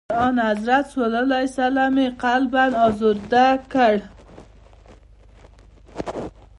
چي آنحضرت ص یې قلباً آزرده کړ.